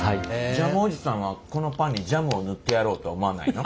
ジャムおじさんはこのパンにジャムを塗ってやろうとは思わないの？